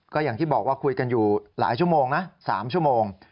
ก็อย่างที่บอกว่าคุยกันอยู่หลายชั่วโมงนะ๓ชั่วโมง